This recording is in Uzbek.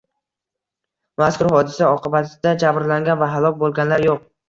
Mazkur hodisa oqibatida jabrlangan va halok bo‘lganlar yo‘q